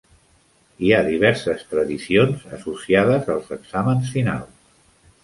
Hi ha diverses tradicions associades als exàmens finals.